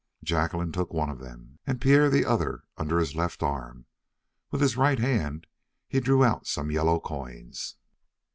Jacqueline took one of them and Pierre the other under his left arm; with his right hand he drew out some yellow coins.